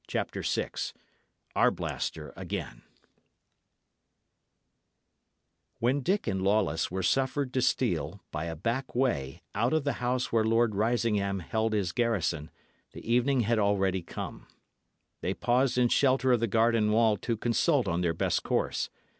CHAPTER VI ARBLASTER AGAIN When Dick and Lawless were suffered to steal, by a back way, out of the house where Lord Risingham held his garrison, the evening had already come. They paused in shelter of the garden wall to consult on their best course.